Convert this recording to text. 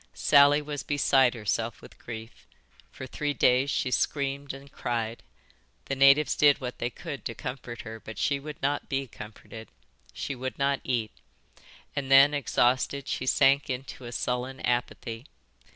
"Sally was beside herself with grief. For three days she screamed and cried. The natives did what they could to comfort her, but she would not be comforted. She would not eat. And then, exhausted, she sank into a sullen apathy.